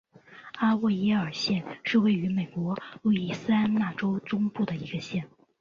阿沃耶尔县是位于美国路易斯安那州中部的一个县。